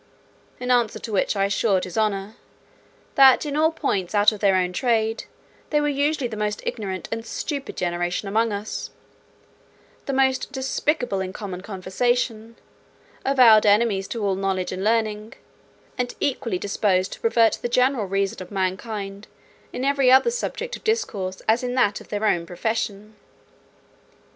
In answer to which I assured his honour, "that in all points out of their own trade, they were usually the most ignorant and stupid generation among us, the most despicable in common conversation, avowed enemies to all knowledge and learning, and equally disposed to pervert the general reason of mankind in every other subject of discourse as in that of their own profession."